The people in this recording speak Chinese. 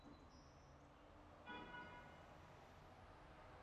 零索引惯例的另一个特性是在现代计算机中实作的模运算。